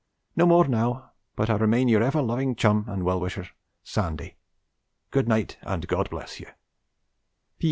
No more now, but I remain your ever loving chum and well wisher, SANDY. 'Good night and God bless you.